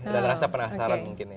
dan rasa penasaran mungkin